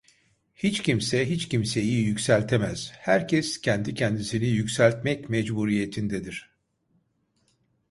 Hiç kimse hiç kimseyi yükseltemez, herkes kendi kendisini yükseltmek mecburiyetindendir.